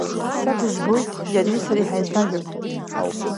Са дызбоит, иареи сареи ҳаицәажәап.